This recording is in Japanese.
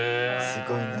すごいね。